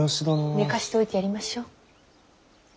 寝かしておいてやりましょう。